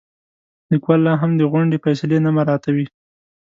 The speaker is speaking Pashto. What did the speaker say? لیکوال لاهم د غونډې فیصلې نه مراعاتوي.